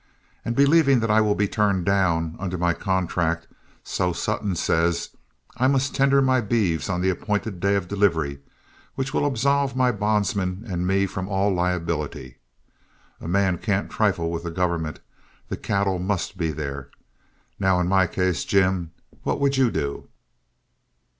And believing that I will be turned down, under my contract, so Sutton says, I must tender my beeves on the appointed day of delivery, which will absolve my bondsmen and me from all liability. A man can't trifle with the government the cattle must be there. Now in my case, Jim, what would you do?"